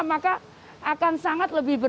maka akan sangat lebih